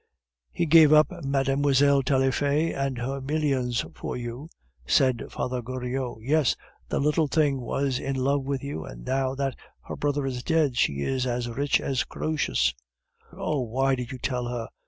"He gave up Mlle. Taillefer and her millions for you," said Father Goriot. "Yes, the little thing was in love with you, and now that her brother is dead she is as rich as Croesus." "Oh! why did you tell her?"